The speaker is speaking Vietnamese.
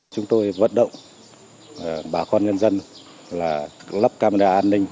chúng tôi vận động bà con nhân dân là lắp camera an ninh